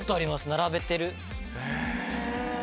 並べてる。